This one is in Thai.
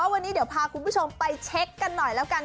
วันนี้เดี๋ยวพาคุณผู้ชมไปเช็คกันหน่อยแล้วกัน